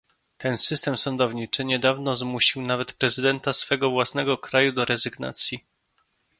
Ten system sądowniczy niedawno zmusił nawet prezydenta swego własnego kraju do rezygnacji